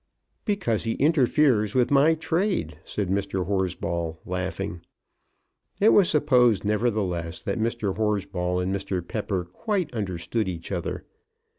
"Because he interferes with my trade," said Mr. Horsball, laughing. It was supposed, nevertheless, that Mr. Horsball and Mr. Pepper quite understood each other.